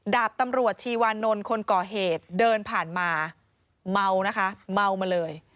ดาบตำรวจชีวานนท์คนก่อเหตุเดินผ่านมาเมานะคะเมามาเลย